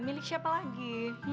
milik siapa lagi